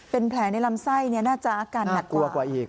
เป็นแผลในลำไส้น่าจะอาการหนักกว่า